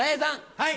はい。